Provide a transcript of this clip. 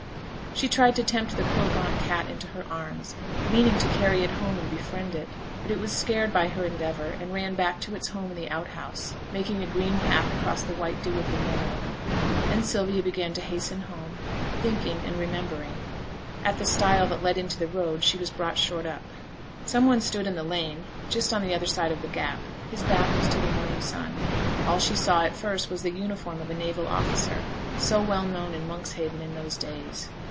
She tried to tempt the poor gaunt cat into her arms, meaning to carry it home and befriend it; but it was scared by her endeavour and ran back to its home in the outhouse, making a green path across the white dew of the meadow. Then Sylvia began to hasten home, thinking, and remembering at the stile that led into the road she was brought short up. Some one stood in the lane just on the other side of the gap; his back was to the morning sun; all she saw at first was the uniform of a naval officer, so well known in Monkshaven in those days.